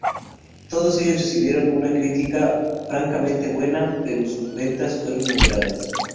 Todos ellos recibieron una crítica francamente buena, pero sus ventas fueron moderadas.